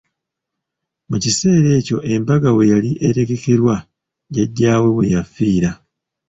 Mu kiseera ekyo embaga we yali etegekerwa, jjajja we weyafiira.